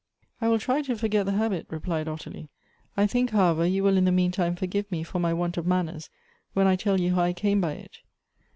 « I will try to forget the habit," replied Ottilie ;" I think, however, you will in the mean time forgive me for my want of manners, when I tell you how I came by it.